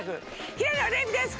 平野レミです。